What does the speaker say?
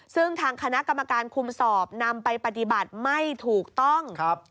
ซึ่งทางคณะกรรมการคุมสอบนำไปปฏิบัติไม่ถูกต้อง